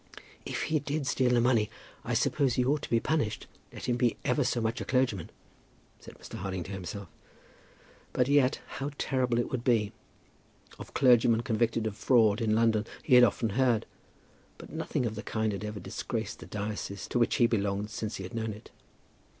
"If he did steal the money I suppose he ought to be punished, let him be ever so much a clergyman," said Mr. Harding to himself. But yet, how terrible it would be! Of clergymen convicted of fraud in London he had often heard; but nothing of the kind had ever disgraced the diocese to which he belonged since he had known it.